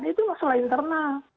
itu masalah internal